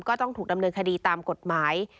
ก็ต้องถูกดำเนินคดีตามกฎหมาย